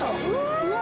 うわ。